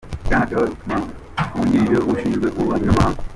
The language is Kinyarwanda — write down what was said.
Bwana Deo Lukyamuzi, Uwungirije ushinzwe Ububanyi n’amahanga